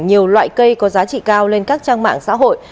nhiều loại cây có giá trị cao lên các trang mạng xã hội